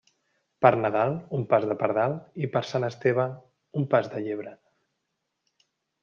Per Nadal, un pas de pardal, i per Sant Esteve, un pas de llebre.